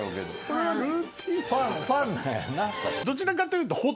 どちらかというと。